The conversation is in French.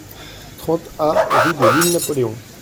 trente A rue de l'Île Napoléon